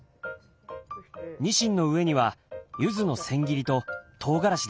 ニシンの上にはゆずの千切りととうがらしです。